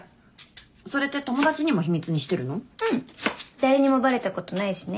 誰にもバレたことないしね。